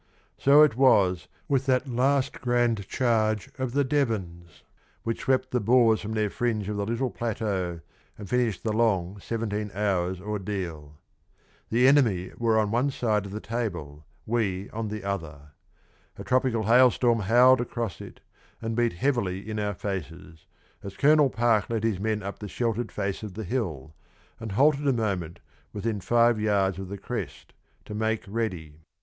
So it was with that last grand charge of the Devons, which swept the Boers from their fringe of the little plateau and finished the long seventeen hours' ordeal. The enemy were on one side of the Table, we on the other. A tropical hailstorm howled across it, and beat heavily in our faces, as Colonel Park led his men up the sheltered face of the hill, and halted a moment within five yards of the crest, to make ready.